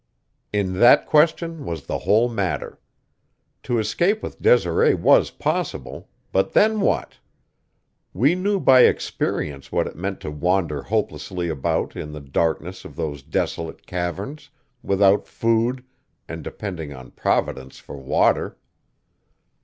In that question was the whole matter. To escape with Desiree was possible but then what? We knew by experience what it meant to wander hopelessly about in the darkness of those desolate caverns, without food, and depending on Providence for water.